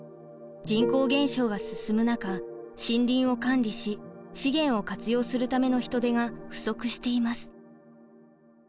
人口減少が進む中森林を管理し資源を活用するための人手が不足しています。